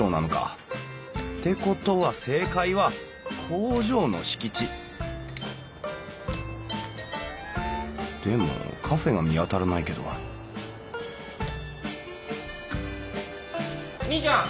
て事は正解は「工場の敷地」でもカフェが見当たらないけどにいちゃん！